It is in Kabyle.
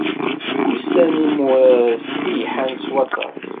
Ussan n imuṛas lhan s waṭas